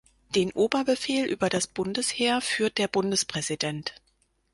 Den Oberbefehl über das Bundesheer führt der Bundespräsident.